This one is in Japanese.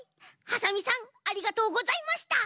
ハサミさんありがとうございました。